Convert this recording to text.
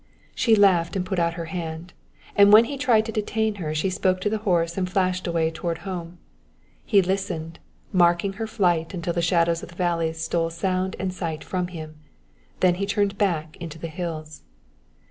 She laughed and put out her hand; and when he tried to detain her she spoke to the horse and flashed away toward home. He listened, marking her flight until the shadows of the valley stole sound and sight from him; then he turned back into the hills.